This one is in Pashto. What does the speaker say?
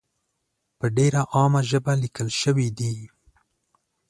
په ډېره عامه ژبه لیکل شوې دي.